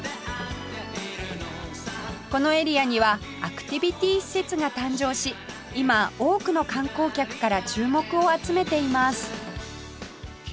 このエリアにはアクティビティ施設が誕生し今多くの観光客から注目を集めています